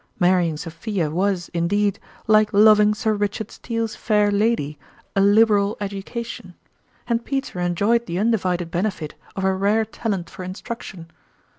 Mar rying Sophia was, indeed, like loving Sir Rich ard Steele's fair lady, " a liberal education ;" and Peter enjoyed the undivided benefit of her rare talent for instruction.